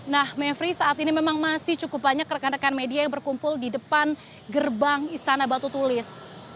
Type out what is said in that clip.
nah mevri saat ini memang masih cukup banyak rekan rekan media yang berkumpul di depan gerbang istana batu tulis